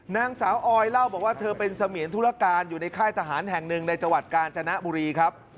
นางสาวออยเล่าบอกว่าเธอเป็นเสมียนธุรการอยู่ในค่ายทหารแห่งหนึ่งในจังหวัดกาญจนบุรีครับ